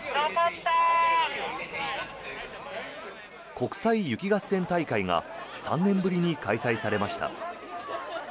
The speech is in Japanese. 国際雪合戦大会が３年ぶりに開催されました。